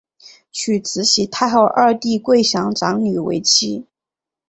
娶慈禧太后二弟桂祥长女为妻。